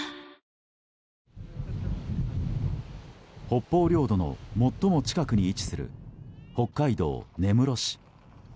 北方領土の最も近くに位置する北海道根室市。